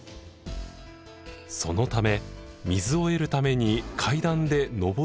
そのため水を得るために階段で上り下りすることになります。